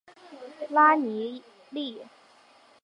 拉尼利。